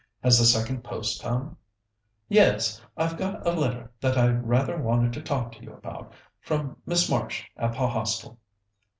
Has the second post come?" "Yes. I've got a letter that I rather wanted to talk to you about, from Miss Marsh at the Hostel."